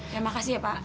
ya makasih ya pak